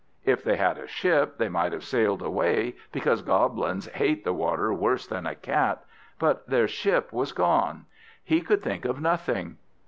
If they had a ship they might have sailed away, because Goblins hate the water worse than a cat; but their ship was gone. He could think of nothing.